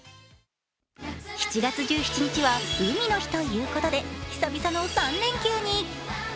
７月１７日は海の日ということで久々の３連休に。